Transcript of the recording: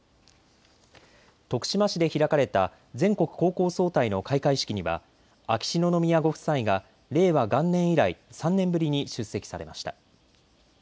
徳島市で開かれた全国高校総体の開会式には秋篠宮ご夫妻が令和元年以来、３年ぶりに出席されました。